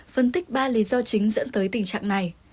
phân tích ba lý do chính dẫn tới tình trạng này